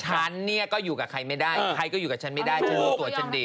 ฉันเนี่ยก็อยู่กับใครไม่ได้ใครก็อยู่กับฉันไม่ได้ฉันรู้ตัวฉันดี